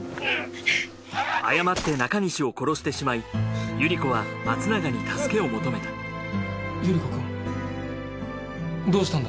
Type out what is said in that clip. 誤って中西を殺してしまいゆり子は松永に助けを求めたゆり子くんどうしたんだ？